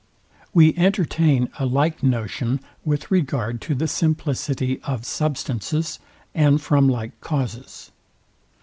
We entertain a like notion with regard to the simplicity of substances, and from like causes.